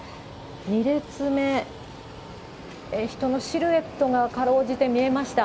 ２列目、人のシルエットがかろうじて見えました。